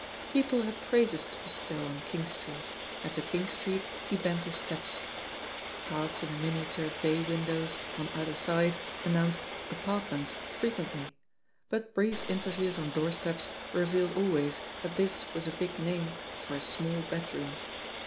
People had praises to bestow on King Street, and to King Street he bent his steps. Cards in the miniature bay windows, on either side, an nounced "Apartments" frequently, but brief in terviews on doorsteps revealed always that this was a big name for a small bedroom.